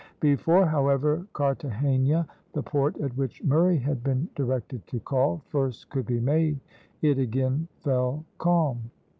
Before, however, Carthagena, the port at which Murray had been directed to call, first could be made, it again fell calm.